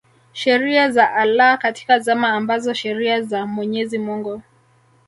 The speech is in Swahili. sheria za Allah katika zama ambazo sheria za Mwenyezi Mungu